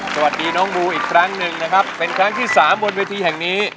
สวัสดีน้องมูอีกครั้งหนึ่งนะครับเป็นครั้งที่สามบนเวทีแห่งนี้